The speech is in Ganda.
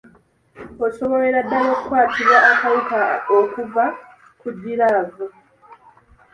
Osobolera ddala okukwatibwa akawuka okuva ku giraavu.